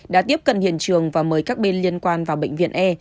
đã tiếp cận hiện trường và mời các bên liên quan vào bệnh viện e